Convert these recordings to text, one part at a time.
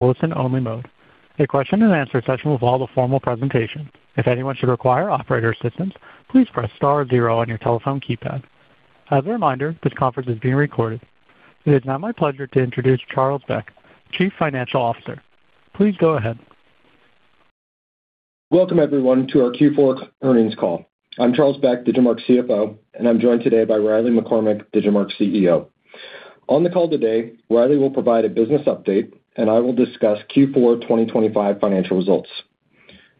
Listen only mode. A question-and-answer session will follow the formal presentation. If anyone should require operator assistance, please press star zero on your telephone keypad. As a reminder, this conference is being recorded. It is now my pleasure to introduce Charles Beck, Chief Financial Officer. Please go ahead. Welcome, everyone, to our Q4 earnings call. I'm Charles Beck, Digimarc's CFO, and I'm joined today by Riley McCormack, Digimarc's CEO. On the call today, Riley will provide a business update, and I will discuss Q4 2025 financial results.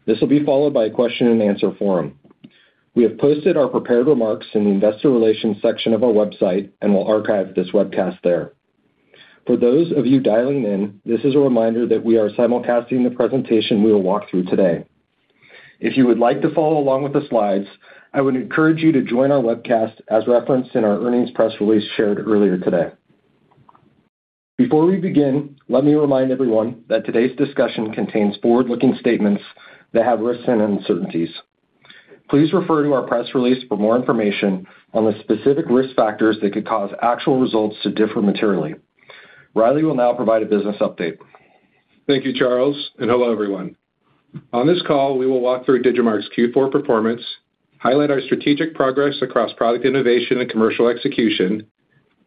This will be followed by a question-and-answer forum. We have posted our prepared remarks in the investor relations section of our website, and we'll archive this webcast there. For those of you dialing in, this is a reminder that we are simulcasting the presentation we will walk through today. If you would like to follow along with the slides, I would encourage you to join our webcast as referenced in our earnings press release shared earlier today. Before we begin, let me remind everyone that today's discussion contains forward-looking statements that have risks and uncertainties. Please refer to our press release for more information on the specific risk factors that could cause actual results to differ materially. Riley will now provide a business update. Thank you, Charles, and hello, everyone. On this call, we will walk through Digimarc's Q4 performance, highlight our strategic progress across product innovation and commercial execution,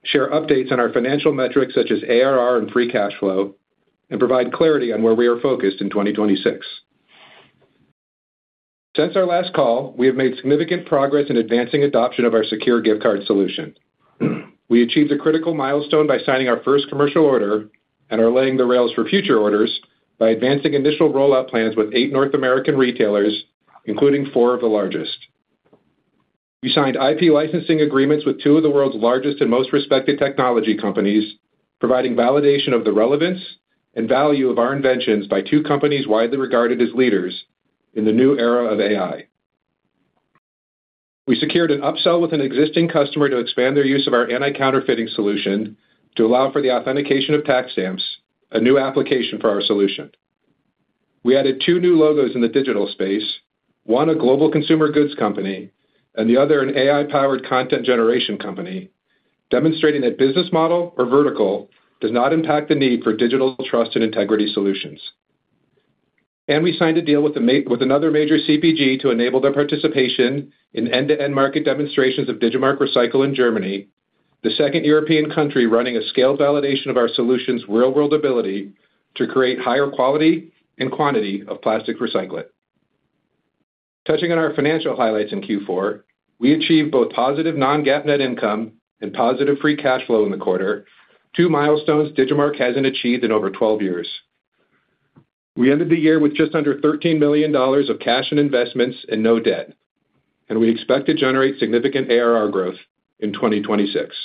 share updates on our financial metrics such as ARR and free cash flow, and provide clarity on where we are focused in 2026. Since our last call, we have made significant progress in advancing adoption of our Secure Gift Card solution. We achieved a critical milestone by signing our first commercial order and are laying the rails for future orders by advancing initial rollout plans with eight North American retailers, including four of the largest. We signed IP licensing agreements with two of the world's largest and most respected technology companies, providing validation of the relevance and value of our inventions by two companies widely regarded as leaders in the new era of AI. We secured an upsell with an existing customer to expand their use of our anti-counterfeiting solution to allow for the authentication of tax stamps, a new application for our solution. We added two new logos in the digital space, one a global consumer goods company and the other an AI-powered content generation company, demonstrating that business model or vertical does not impact the need for digital trust and integrity solutions. We signed a deal with another major CPG to enable their participation in end-to-end market demonstrations of Digimarc Recycle in Germany, the second European country running a scale validation of our solution's real-world ability to create higher quality and quantity of plastic recyclate. Touching on our financial highlights in Q4, we achieved both positive non-GAAP net income and positive free cash flow in the quarter, two milestones Digimarc hasn't achieved in over 12 years. We ended the year with just under $13 million of cash and investments and no debt, and we expect to generate significant ARR growth in 2026.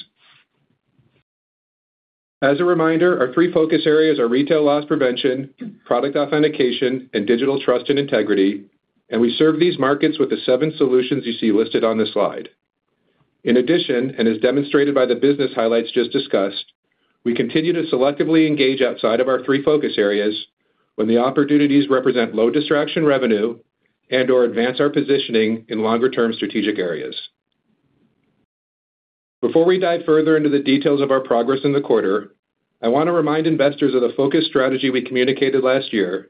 As a reminder, our three focus areas are retail loss prevention, product authentication, and digital trust and integrity, and we serve these markets with the seven solutions you see listed on this slide. In addition, and as demonstrated by the business highlights just discussed, we continue to selectively engage outside of our three focus areas when the opportunities represent low distraction revenue and/or advance our positioning in longer-term strategic areas. Before we dive further into the details of our progress in the quarter, I want to remind investors of the focus strategy we communicated last year,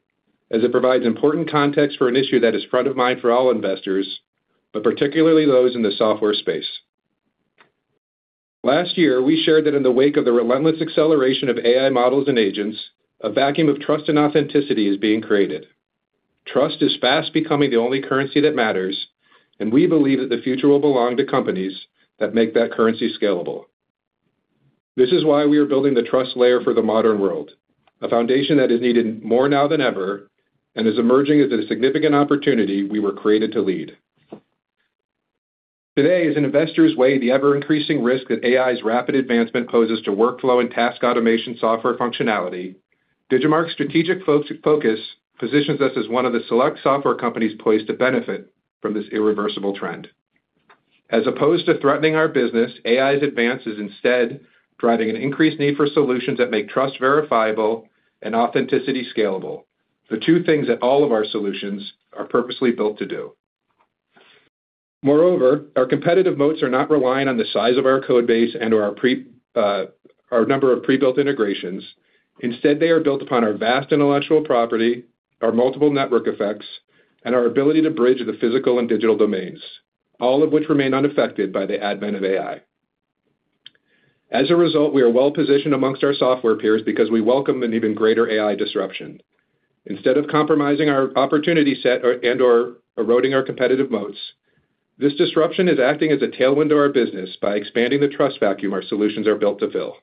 as it provides important context for an issue that is front of mind for all investors, but particularly those in the software space. Last year, we shared that in the wake of the relentless acceleration of AI models and agents, a vacuum of trust and authenticity is being created. Trust is fast becoming the only currency that matters, and we believe that the future will belong to companies that make that currency scalable. This is why we are building the trust layer for the modern world, a foundation that is needed more now than ever and is emerging as a significant opportunity we were created to lead. Today, as investors weigh the ever-increasing risk that AI's rapid advancement poses to workflow and task automation software functionality, Digimarc's strategic focus positions us as one of the select software companies poised to benefit from this irreversible trend. As opposed to threatening our business, AI's advance is instead driving an increased need for solutions that make trust verifiable and authenticity scalable. The two things that all of our solutions are purposely built to do. Moreover, our competitive moats are not relying on the size of our code base and our number of pre-built integrations. Instead, they are built upon our vast intellectual property, our multiple network effects, and our ability to bridge the physical and digital domains, all of which remain unaffected by the advent of AI. As a result, we are well-positioned amongst our software peers because we welcome an even greater AI disruption. Instead of compromising our opportunity set and/or eroding our competitive moats, this disruption is acting as a tailwind to our business by expanding the trust vacuum our solutions are built to fill.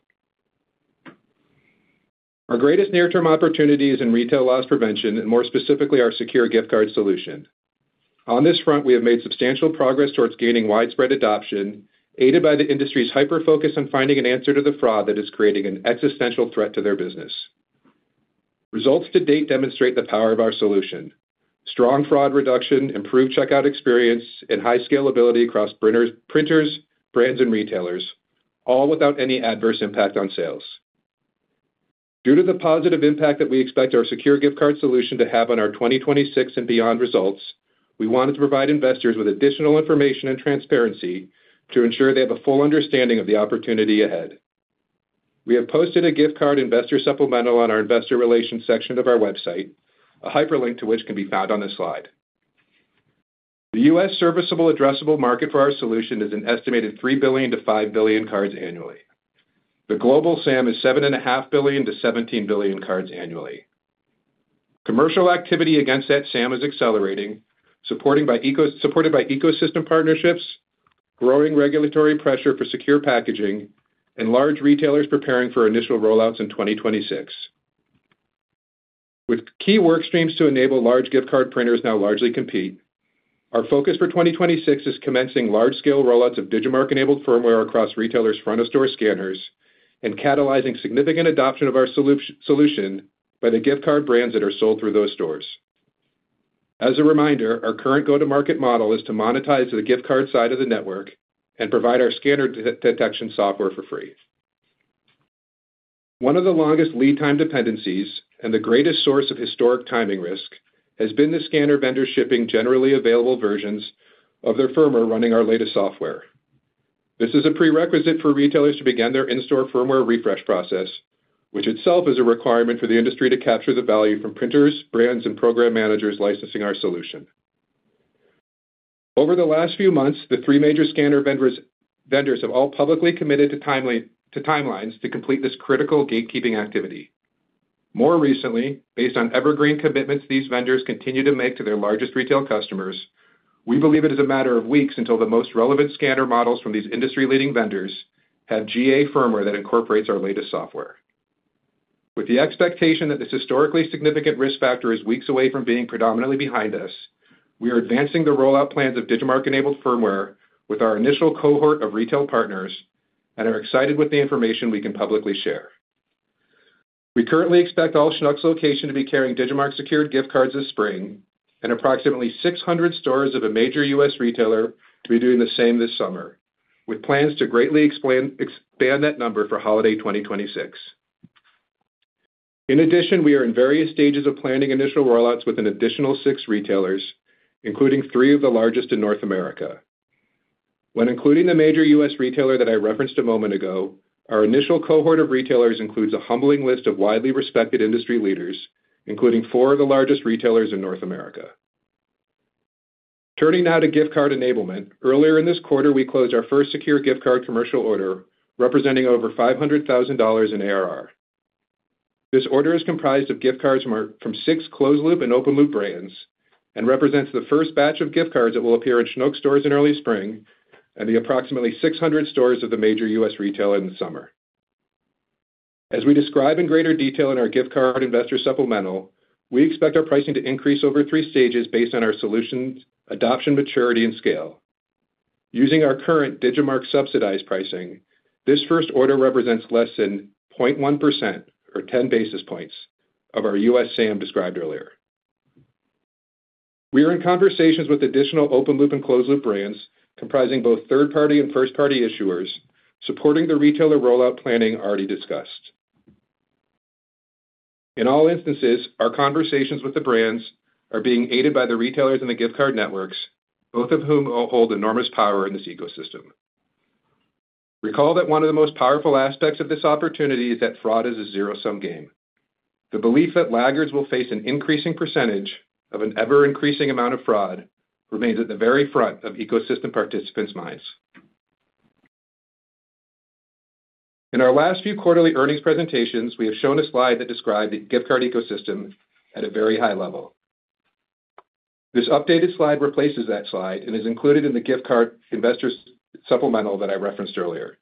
Our greatest near-term opportunity is in retail loss prevention and more specifically our Secure Gift Card solution. On this front, we have made substantial progress towards gaining widespread adoption, aided by the industry's hyper-focus on finding an answer to the fraud that is creating an existential threat to their business. Results to date demonstrate the power of our solution. Strong fraud reduction, improved checkout experience, and high scalability across printers, brands, and retailers, all without any adverse impact on sales. Due to the positive impact that we expect our Secure Gift Card solution to have on our 2026 and beyond results. We wanted to provide investors with additional information and transparency to ensure they have a full understanding of the opportunity ahead. We have posted a gift card investor supplemental on our investor relations section of our website, a hyperlink to which can be found on this slide. The U.S. serviceable addressable market for our solution is an estimated 3 billion-5 billion cards annually. The global SAM is 7.5 billion-17 billion cards annually. Commercial activity against that SAM is accelerating, supported by ecosystem partnerships, growing regulatory pressure for secure packaging, and large retailers preparing for initial rollouts in 2026. With key work streams to enable large gift card printers now largely complete, our focus for 2026 is commencing large-scale rollouts of Digimarc-enabled firmware across retailers' front-of-store scanners and catalyzing significant adoption of our solution by the gift card brands that are sold through those stores. As a reminder, our current go-to-market model is to monetize the gift card side of the network and provide our scanner detection software for free. One of the longest lead time dependencies and the greatest source of historic timing risk has been the scanner vendor shipping generally available versions of their firmware running our latest software. This is a prerequisite for retailers to begin their in-store firmware refresh process, which itself is a requirement for the industry to capture the value from printers, brands, and program managers licensing our solution. Over the last few months, the three major scanner vendors have all publicly committed to timelines to complete this critical gatekeeping activity. More recently, based on evergreen commitments these vendors continue to make to their largest retail customers, we believe it is a matter of weeks until the most relevant scanner models from these industry-leading vendors have GA firmware that incorporates our latest software. With the expectation that this historically significant risk factor is weeks away from being predominantly behind us, we are advancing the rollout plans of Digimarc-enabled firmware with our initial cohort of retail partners and are excited with the information we can publicly share. We currently expect all Schnucks locations to be carrying Digimarc-secured gift cards this spring and approximately 600 stores of a major U.S. retailer to be doing the same this summer, with plans to greatly expand that number for holiday 2026. In addition, we are in various stages of planning initial rollouts with an additional six retailers, including three of the largest in North America. When including the major U.S. retailer that I referenced a moment ago, our initial cohort of retailers includes a humbling list of widely respected industry leaders, including four of the largest retailers in North America. Turning now to gift card enablement, earlier in this quarter we closed our first Secure Gift Card commercial order representing over $500,000 in ARR. This order is comprised of gift cards marked from six closed-loop and open-loop brands and represents the first batch of gift cards that will appear in Schnucks stores in early spring and the approximately 600 stores of the major U.S. retailer in the summer. As we describe in greater detail in our gift card investor supplemental, we expect our pricing to increase over three stages based on our solutions, adoption maturity, and scale. Using our current Digimarc subsidized pricing, this first order represents less than 0.1% or 10 basis points of our U.S. SAM described earlier. We are in conversations with additional open-loop and closed-loop brands comprising both third-party and first-party issuers supporting the retailer rollout planning already discussed. In all instances, our conversations with the brands are being aided by the retailers in the gift card networks, both of whom all hold enormous power in this ecosystem. Recall that one of the most powerful aspects of this opportunity is that fraud is a zero-sum game. The belief that laggards will face an increasing percentage of an ever-increasing amount of fraud remains at the very front of ecosystem participants' minds. In our last few quarterly earnings presentations, we have shown a slide that described the gift card ecosystem at a very high level. This updated slide replaces that slide and is included in the gift card investors' supplemental that I referenced earlier.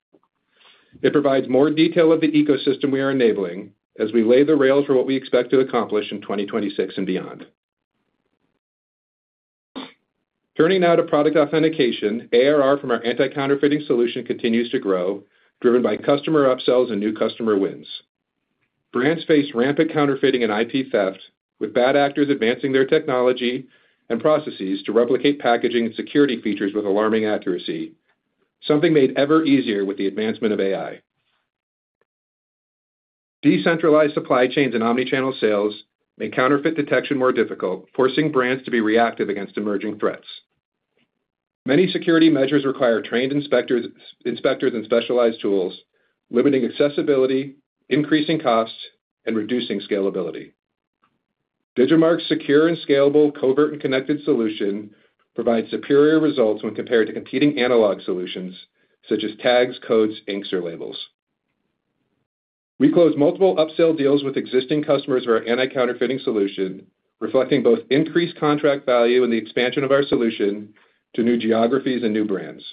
It provides more detail of the ecosystem we are enabling as we lay the rail for what we expect to accomplish in 2026 and beyond. Turning now to product authentication, ARR from our anti-counterfeiting solution continues to grow, driven by customer upsells and new customer wins. Brands face rampant counterfeiting and IP theft, with bad actors advancing their technology and processes to replicate packaging and security features with alarming accuracy, something made ever easier with the advancement of AI. Decentralized supply chains and omni-channel sales make counterfeit detection more difficult, forcing brands to be reactive against emerging threats. Many security measures require trained inspectors and specialized tools, limiting accessibility, increasing costs, and reducing scalability. Digimarc's secure and scalable covert and connected solution provides superior results when compared to competing analog solutions such as tags, codes, inks, or labels. We closed multiple upsell deals with existing customers of our anti-counterfeiting solution, reflecting both increased contract value and the expansion of our solution to new geographies and new brands.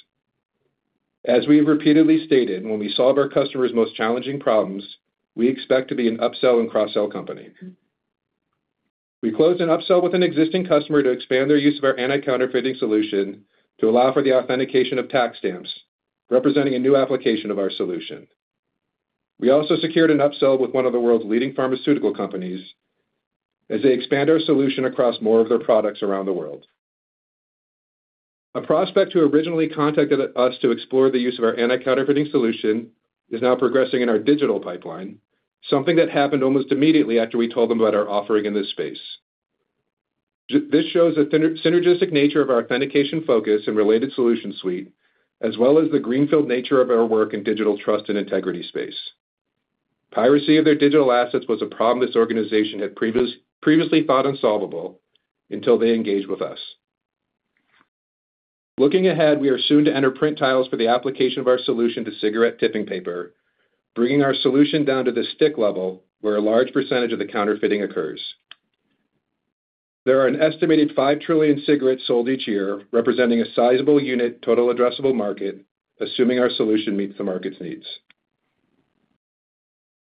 As we have repeatedly stated, when we solve our customers' most challenging problems, we expect to be an upsell and cross-sell company. We closed an upsell with an existing customer to expand their use of our anti-counterfeiting solution to allow for the authentication of tax stamps, representing a new application of our solution. We also secured an upsell with one of the world's leading pharmaceutical companies as they expand our solution across more of their products around the world. A prospect who originally contacted us to explore the use of our anti-counterfeiting solution is now progressing in our digital pipeline, something that happened almost immediately after we told them about our offering in this space. This shows the synergistic nature of our authentication focus and related solution suite, as well as the greenfield nature of our work in digital trust and integrity space. Piracy of their digital assets was a problem this organization had previously thought unsolvable until they engaged with us. Looking ahead, we are soon to enter print trials for the application of our solution to cigarette tipping paper, bringing our solution down to the stick level, where a large percentage of the counterfeiting occurs. There are an estimated 5 trillion cigarettes sold each year, representing a sizable unit total addressable market, assuming our solution meets the market's needs.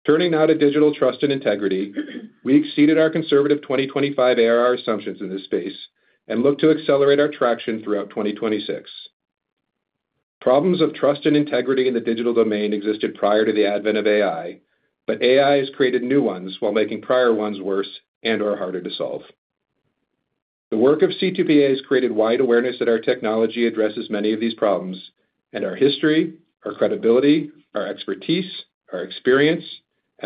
Turning now to digital trust and integrity, we exceeded our conservative 2025 ARR assumptions in this space and look to accelerate our traction throughout 2026. Problems of trust and integrity in the digital domain existed prior to the advent of AI, but AI has created new ones while making prior ones worse and/or harder to solve. The work of C2PA has created wide awareness that our technology addresses many of these problems,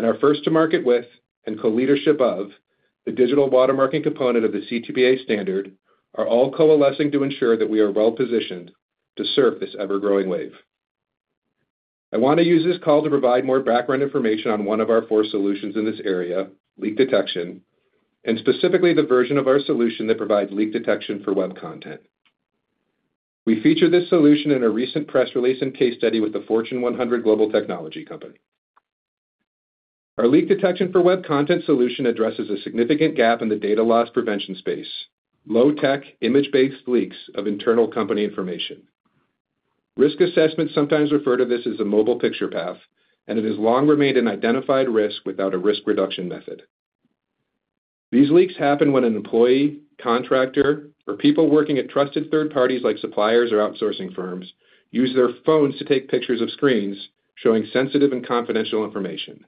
and our history, our credibility, our expertise, our experience, and our first to market with and co-leadership of the digital watermarking component of the C2PA standard are all coalescing to ensure that we are well-positioned to surf this ever-growing wave. I wanna use this call to provide more background information on one of our four solutions in this area, Leak Detection, and specifically the version of our solution that provides Leak Detection for Web Content. We featured this solution in a recent press release and case study with a Fortune 100 global technology company. Our Leak Detection for Web Content solution addresses a significant gap in the data loss prevention space, low-tech, image-based leaks of internal company information. Risk assessments sometimes refer to this as a mobile picture path, and it has long remained an identified risk without a risk reduction method. These leaks happen when an employee, contractor, or people working at trusted third parties like suppliers or outsourcing firms use their phones to take pictures of screens showing sensitive and confidential information.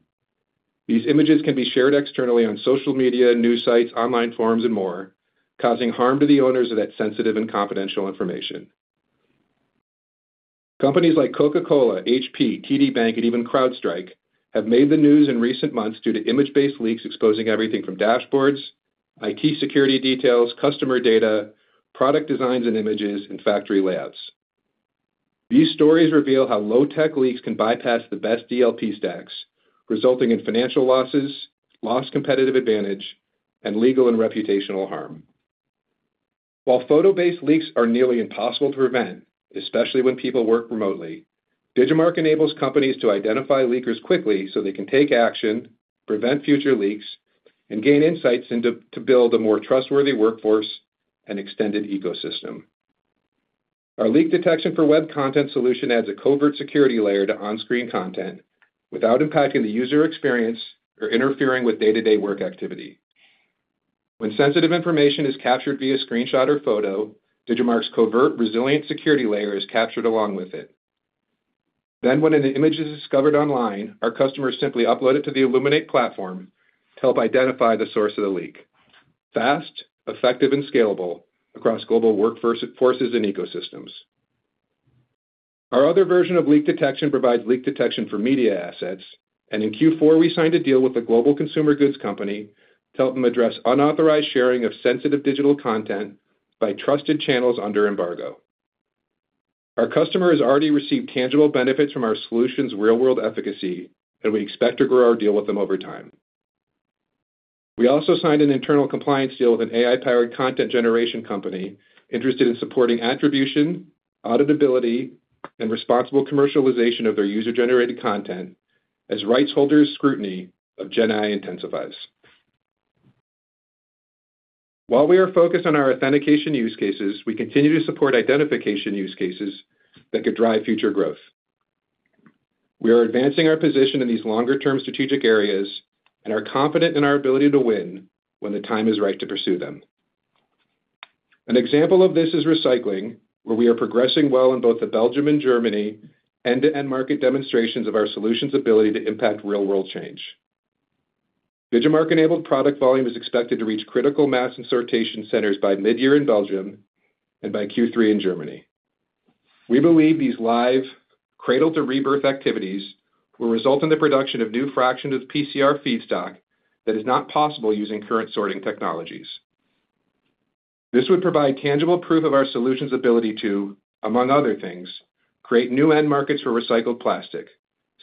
These images can be shared externally on social media, news sites, online forums, and more, causing harm to the owners of that sensitive and confidential information. Companies like Coca-Cola, HP, TD Bank, and even CrowdStrike have made the news in recent months due to image-based leaks exposing everything from dashboards, IT security details, customer data, product designs and images, and factory layouts. These stories reveal how low-tech leaks can bypass the best DLP stacks, resulting in financial losses, lost competitive advantage, and legal and reputational harm. While photo-based leaks are nearly impossible to prevent, especially when people work remotely, Digimarc enables companies to identify leakers quickly so they can take action, prevent future leaks, and gain insights to build a more trustworthy workforce and extended ecosystem. Our Leak Detection for Web Content solution adds a covert security layer to on-screen content without impacting the user experience or interfering with day-to-day work activity. When sensitive information is captured via screenshot or photo, Digimarc's covert resilient security layer is captured along with it. When an image is discovered online, our customers simply upload it to the Illuminate platform to help identify the source of the leak. Fast, effective, and scalable across global workforces and ecosystems. Our other version of leak detection provides Leak Detection for media assets, and in Q4, we signed a deal with a global consumer goods company to help them address unauthorized sharing of sensitive digital content by trusted channels under embargo. Our customer has already received tangible benefits from our solution's real-world efficacy, and we expect to grow our deal with them over time. We also signed an internal compliance deal with an AI-powered content generation company interested in supporting attribution, auditability, and responsible commercialization of their user-generated content as rights holders' scrutiny of GenAI intensifies. While we are focused on our authentication use cases, we continue to support identification use cases that could drive future growth. We are advancing our position in these longer-term strategic areas and are confident in our ability to win when the time is right to pursue them. An example of this is recycling, where we are progressing well in both the Belgium and Germany end-to-end market demonstrations of our solution's ability to impact real-world change. Digimarc-enabled product volume is expected to reach critical mass in sortation centers by mid-year in Belgium and by Q3 in Germany. We believe these live cradle-to-rebirth activities will result in the production of new fraction of PCR feedstock that is not possible using current sorting technologies. This would provide tangible proof of our solution's ability to, among other things, create new end markets for recycled plastic,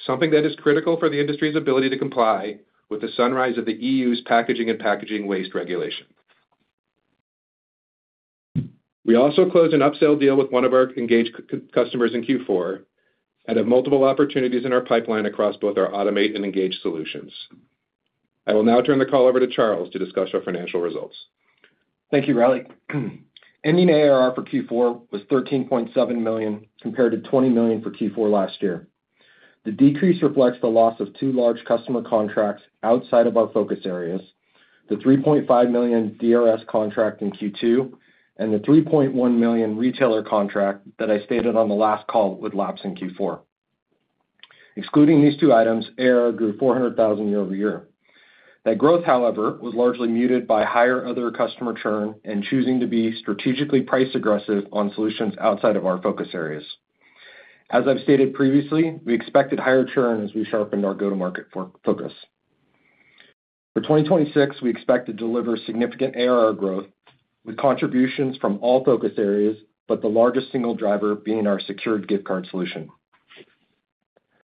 something that is critical for the industry's ability to comply with the sunrise of the EU's Packaging and Packaging Waste Regulation. We also closed an upsell deal with one of our engaged customers in Q4 and have multiple opportunities in our pipeline across both our Automate and Engage solutions. I will now turn the call over to Charles to discuss our financial results. Thank you, Riley. Ending ARR for Q4 was $13.7 million, compared to $20 million for Q4 last year. The decrease reflects the loss of two large customer contracts outside of our focus areas, the $3.5 million DRS contract in Q2, and the $3.1 million retailer contract that I stated on the last call would lapse in Q4. Excluding these two items, ARR grew $400,000 year-over-year. That growth, however, was largely muted by higher other customer churn and choosing to be strategically price aggressive on solutions outside of our focus areas. As I've stated previously, we expected higher churn as we sharpened our go-to-market focus. For 2026, we expect to deliver significant ARR growth with contributions from all focus areas, but the largest single driver being our Secure Gift Card solution.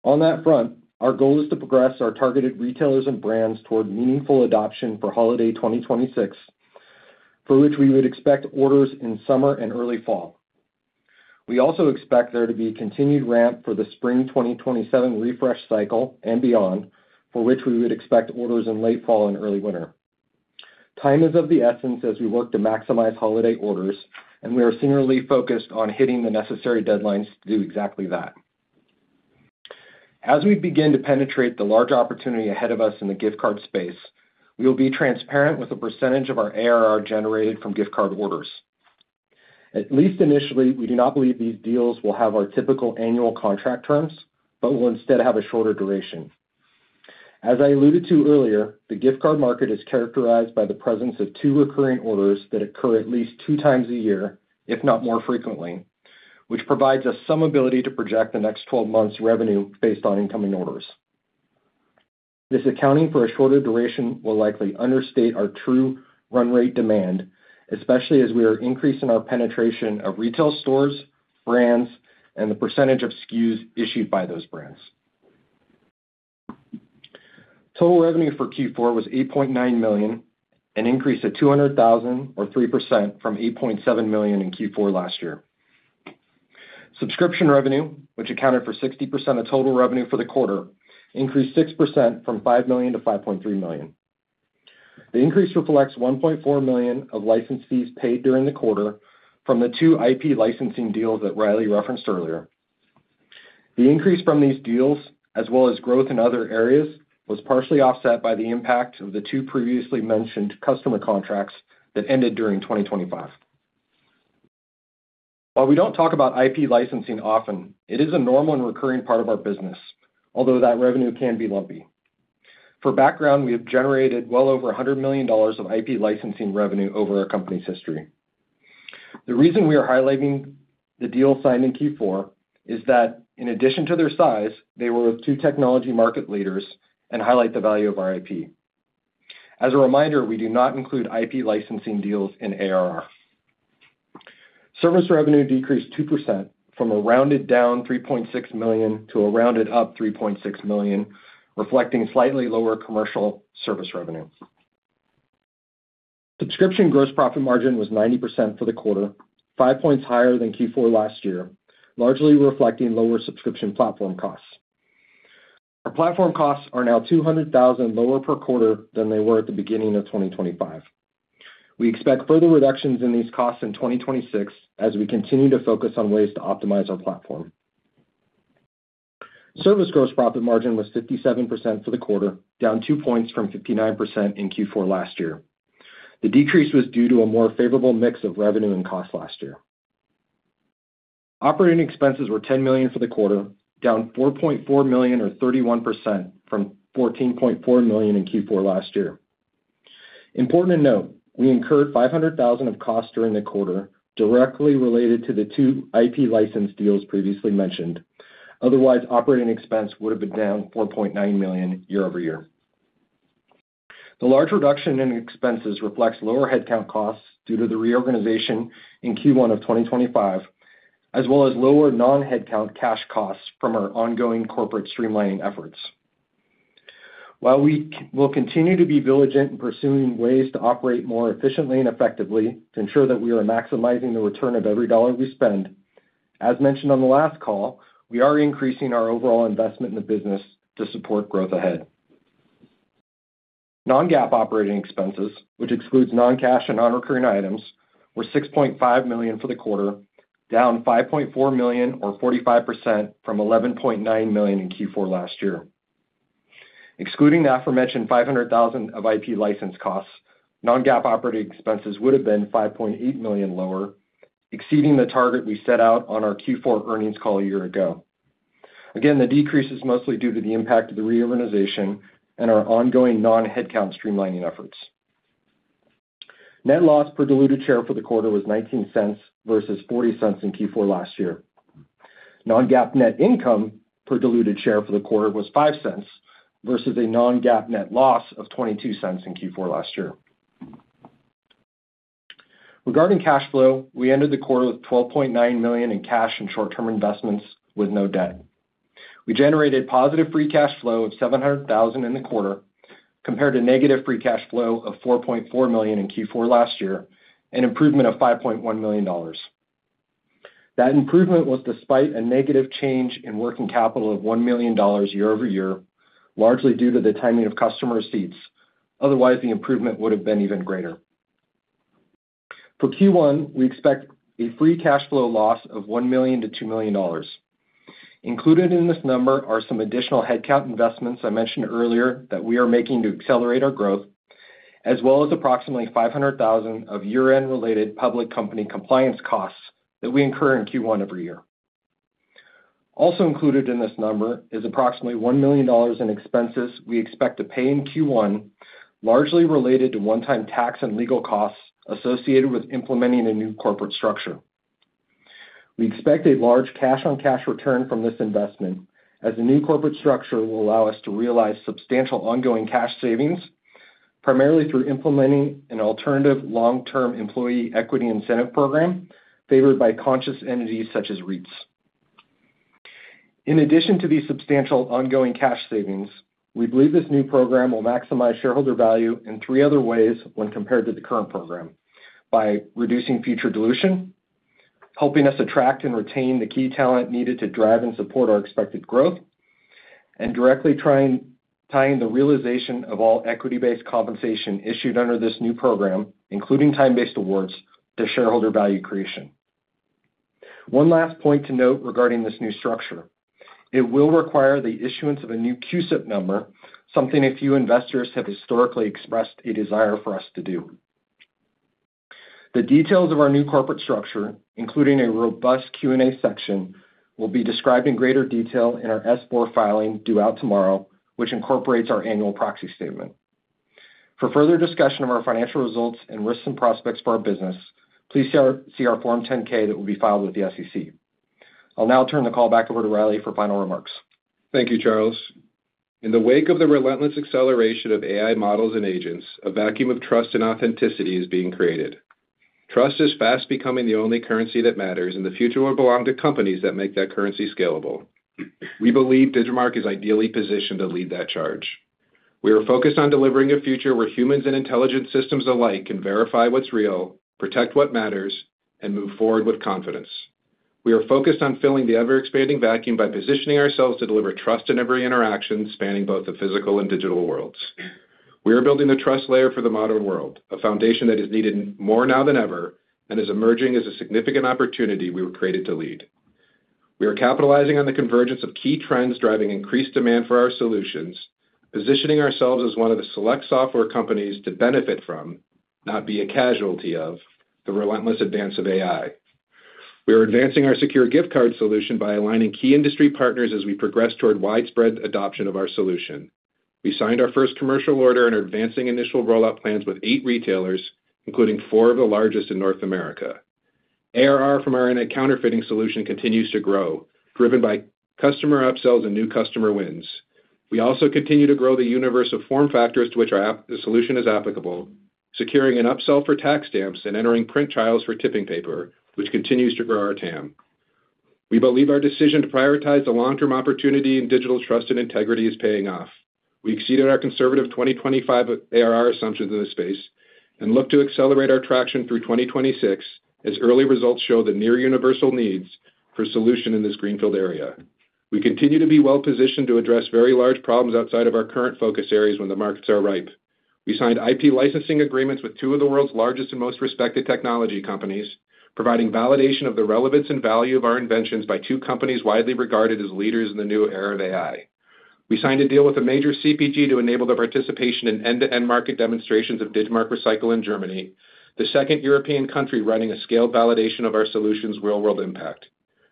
On that front, our goal is to progress our targeted retailers and brands toward meaningful adoption for holiday 2026, for which we would expect orders in summer and early fall. We also expect there to be a continued ramp for the spring 2027 refresh cycle and beyond, for which we would expect orders in late fall and early winter. Time is of the essence as we work to maximize holiday orders, and we are singularly focused on hitting the necessary deadlines to do exactly that. As we begin to penetrate the large opportunity ahead of us in the gift card space, we will be transparent with the percentage of our ARR generated from gift card orders. At least initially, we do not believe these deals will have our typical annual contract terms, but will instead have a shorter duration. As I alluded to earlier, the gift card market is characterized by the presence of two recurring orders that occur at least 2x a year, if not more frequently, which provides us some ability to project the next 12 months revenue based on incoming orders. This accounting for a shorter duration will likely understate our true run rate demand, especially as we are increasing our penetration of retail stores, brands, and the percentage of SKUs issued by those brands. Total revenue for Q4 was $8.9 million, an increase of $200,000 or 3% from $8.7 million in Q4 last year. Subscription revenue, which accounted for 60% of total revenue for the quarter, increased 6% from $5 million-$5.3 million. The increase reflects $1.4 million of license fees paid during the quarter from the two IP licensing deals that Riley referenced earlier. The increase from these deals, as well as growth in other areas, was partially offset by the impact of the two previously mentioned customer contracts that ended during 2025. While we don't talk about IP licensing often, it is a normal and recurring part of our business, although that revenue can be lumpy. For background, we have generated well over $100 million of IP licensing revenue over our company's history. The reason we are highlighting the deal signed in Q4 is that in addition to their size, they were with two technology market leaders and highlight the value of our IP. As a reminder, we do not include IP licensing deals in ARR. Service revenue decreased 2% from a rounded down $3.6 million to a rounded up $3.6 million, reflecting slightly lower commercial service revenue. Subscription gross profit margin was 90% for the quarter, five points higher than Q4 last year, largely reflecting lower subscription platform costs. Our platform costs are now $200,000 lower per quarter than they were at the beginning of 2025. We expect further reductions in these costs in 2026 as we continue to focus on ways to optimize our platform. Service gross profit margin was 57% for the quarter, down two points from 59% in Q4 last year. The decrease was due to a more favorable mix of revenue and cost last year. Operating expenses were $10 million for the quarter, down $4.4 million or 31% from $14.4 million in Q4 last year. Important to note, we incurred $500,000 of costs during the quarter directly related to the two IP license deals previously mentioned. Otherwise, operating expense would have been down $4.9 million year-over-year. The large reduction in expenses reflects lower headcount costs due to the reorganization in Q1 of 2025, as well as lower non-headcount cash costs from our ongoing corporate streamlining efforts. While we will continue to be diligent in pursuing ways to operate more efficiently and effectively to ensure that we are maximizing the return of every dollar we spend, as mentioned on the last call, we are increasing our overall investment in the business to support growth ahead. Non-GAAP operating expenses, which excludes non-cash and non-recurring items, were $6.5 million for the quarter, down $5.4 million or 45% from $11.9 million in Q4 last year. Excluding the aforementioned $500,000 of IP license costs, non-GAAP operating expenses would have been $5.8 million lower, exceeding the target we set out on our Q4 earnings call a year ago. The decrease is mostly due to the impact of the reorganization and our ongoing non-headcount streamlining efforts. Net loss per diluted share for the quarter was $0.19 versus $0.40 in Q4 last year. Non-GAAP net income per diluted share for the quarter was $0.05 versus a non-GAAP net loss of $0.22 in Q4 last year. Regarding cash flow, we ended the quarter with $12.9 million in cash and short-term investments with no debt. We generated positive free cash flow of $700,000 in the quarter compared to negative free cash flow of $4.4 million in Q4 last year, an improvement of $5.1 million. That improvement was despite a negative change in working capital of $1 million year over year, largely due to the timing of customer receipts. Otherwise, the improvement would have been even greater. For Q1, we expect a free cash flow loss of $1 million-$2 million. Included in this number are some additional headcount investments I mentioned earlier that we are making to accelerate our growth. As well as approximately $500,000 of year-end related public company compliance costs that we incur in Q1 every year. Also included in this number is approximately $1 million in expenses we expect to pay in Q1, largely related to one-time tax and legal costs associated with implementing a new corporate structure. We expect a large cash-on-cash return from this investment, as the new corporate structure will allow us to realize substantial ongoing cash savings, primarily through implementing an alternative long-term employee equity incentive program favored by pass-through entities such as REITs. In addition to these substantial ongoing cash savings, we believe this new program will maximize shareholder value in three other ways when compared to the current program. By reducing future dilution, helping us attract and retain the key talent needed to drive and support our expected growth, and directly tying the realization of all equity-based compensation issued under this new program, including time-based awards, to shareholder value creation. One last point to note regarding this new structure. It will require the issuance of a new CUSIP number, something a few investors have historically expressed a desire for us to do. The details of our new corporate structure, including a robust Q&A section, will be described in greater detail in our S-4 filing due out tomorrow, which incorporates our annual proxy statement. For further discussion of our financial results and risks and prospects for our business, please see our Form 10-K that will be filed with the SEC. I'll now turn the call back over to Riley for final remarks. Thank you, Charles. In the wake of the relentless acceleration of AI models and agents, a vacuum of trust and authenticity is being created. Trust is fast becoming the only currency that matters, and the future will belong to companies that make that currency scalable. We believe Digimarc is ideally positioned to lead that charge. We are focused on delivering a future where humans and intelligent systems alike can verify what's real, protect what matters, and move forward with confidence. We are focused on filling the ever-expanding vacuum by positioning ourselves to deliver trust in every interaction, spanning both the physical and digital worlds. We are building the trust layer for the modern world, a foundation that is needed more now than ever and is emerging as a significant opportunity we were created to lead. We are capitalizing on the convergence of key trends driving increased demand for our solutions, positioning ourselves as one of the select software companies to benefit from, not be a casualty of, the relentless advance of AI. We are advancing our Secure Gift Card solution by aligning key industry partners as we progress toward widespread adoption of our solution. We signed our first commercial order and are advancing initial rollout plans with eight retailers, including four of the largest in North America. ARR from our anti-counterfeiting solution continues to grow, driven by customer upsells and new customer wins. We also continue to grow the universe of form factors to which the solution is applicable, securing an upsell for tax stamps and entering print trials for tipping paper, which continues to grow our TAM. We believe our decision to prioritize the long-term opportunity in digital trust and integrity is paying off. We exceeded our conservative 2025 ARR assumptions in this space and look to accelerate our traction through 2026, as early results show the near universal needs for solution in this greenfield area. We continue to be well-positioned to address very large problems outside of our current focus areas when the markets are ripe. We signed IP licensing agreements with two of the world's largest and most respected technology companies, providing validation of the relevance and value of our inventions by two companies widely regarded as leaders in the new era of AI. We signed a deal with a major CPG to enable the participation in end-to-end market demonstrations of Digimarc Recycle in Germany, the second European country running a scaled validation of our solution's real-world impact.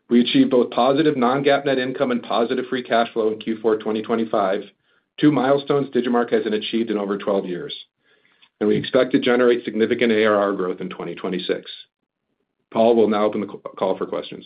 We achieved both positive non-GAAP net income and positive free cash flow in Q4 2025, two milestones Digimarc hasn't achieved in over 12 years. We expect to generate significant ARR growth in 2026. Paul will now open the call for questions.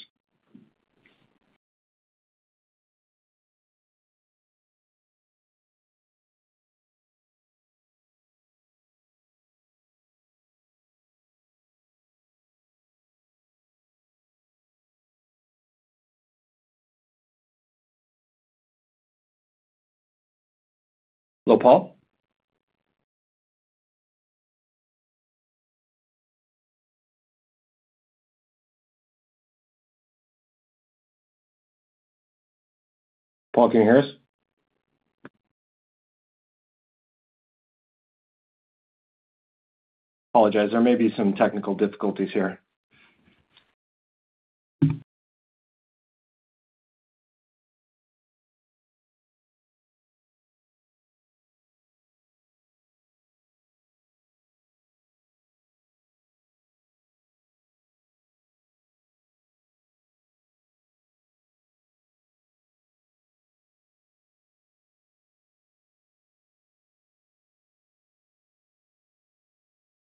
Hello, Paul. Paul, can you hear us?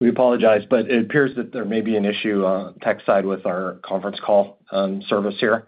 We apologize, but it appears that there may be an issue, technical side with our conference call service here.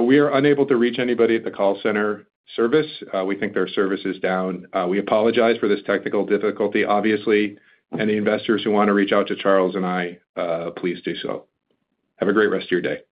We are unable to reach anybody at the call center service. We think their service is down. We apologize for this technical difficulty, obviously. Any investors who want to reach out to Charles and I, please do so. Have a great rest of your day.